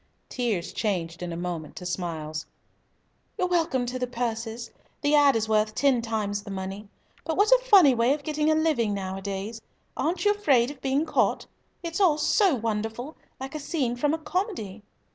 Tears changed in a moment to smiles. "You're welcome to the purses. The 'ad.' is worth ten times the money. But what a funny way of getting a living nowadays! Aren't you afraid of being caught? It's all so wonderful, like a scene from a comedy."